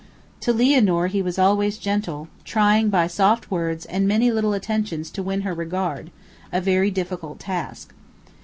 To Lianor he was always gentle, trying by soft words and many little attentions to win her regard; a very difficult task.